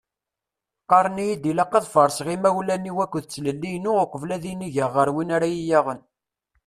Qqaren-iyi-d ilaq ad farseɣ imawlan-iw akked d tlelli-inu uqbel ad inigeɣ ɣer win ara iyi-yaɣen.